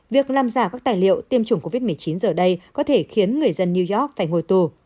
việc làm giả các tài liệu tiêm chủng covid một mươi chín giờ đây có thể khiến người dân new york phải ngồi tù